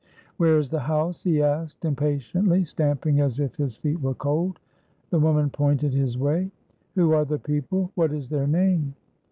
"Where is the house?" he asked, impatiently, stamping as if his feet were cold. The woman pointed his way. "Who are the people? What is their name?"